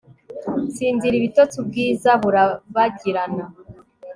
sinzira, ibitotsi, ubwiza burabagirana